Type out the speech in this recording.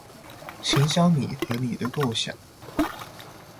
行銷你和你的構想